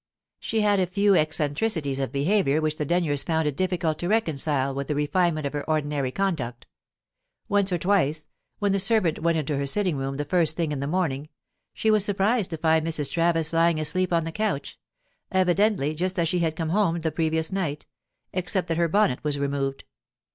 She had a few eccentricities of behaviour which the Denyers found it difficult to reconcile with the refinement of her ordinary conduct. Once or twice, when the servant went into her sitting room the first thing in the morning, she was surprised to find Mrs. Travis lying asleep on the couch, evidently just as she had come home the previous night, except that her bonnet was removed.